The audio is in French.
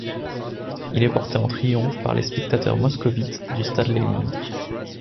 Il est porté en triomphe par les spectateurs moscovites du stade Lénine.